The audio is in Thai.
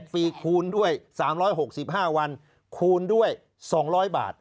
ปีคูณด้วย๓๖๕วันคูณด้วย๒๐๐บาท